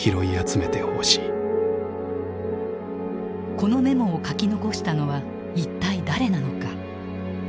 このメモを書き残したのは一体誰なのか。